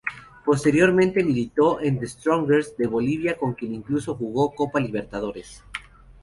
Posteriormente militó en The Strongest de Bolivia con quien incluso jugó Copa Libertadores.